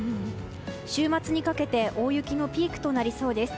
週末にかけて大雪のピークとなりそうです。